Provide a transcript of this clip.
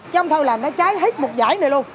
trong thời là nó cháy hết một giải này luôn